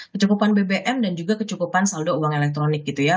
kecukupan bbm dan juga kecukupan saldo uang elektronik gitu ya